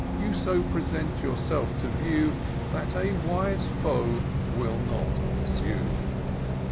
You so present yourself to view, That a vnse foe will not pursue.